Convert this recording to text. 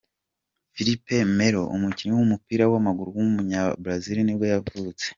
Felipe Melo, umukinnyi w’umupira w’amaguru w’umunyabrazil nibwo yavutse.